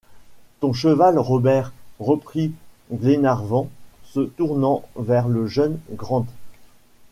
Ton cheval, Robert ?... reprit Glenarvan, se tournant vers le jeune Grant.